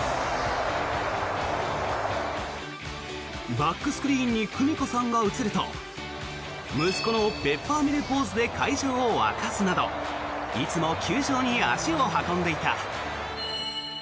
バックスクリーンに久美子さんが映ると息子のペッパーミルポーズで会場を沸かすなどいつも球場に足を運んでいた。